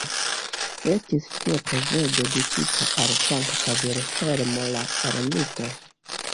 Estis tie preĝejo dediĉita al Sankta Vilhelmo la Ermito.